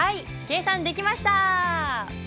計算できました！